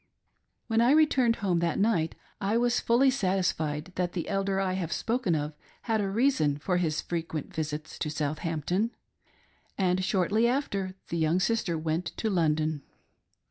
When I returned home that night I was fully satisfied that the Elder I have spoken of had a reason for his frequent visits. to Southampton, and shortly after, the young sister went to London.